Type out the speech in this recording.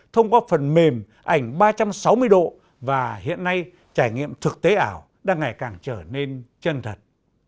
thông qua phần mềm ảnh ba trăm sáu mươi độ và hiện nay trải nghiệm thực tế ảo đang ngày càng trở nên chân thật